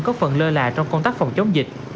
có phần lơ là trong công tác phòng chống dịch